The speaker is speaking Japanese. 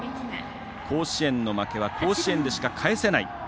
「甲子園の負けは甲子園でしか返せない」。